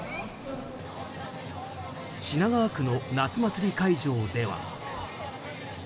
品川区の夏祭り会場では。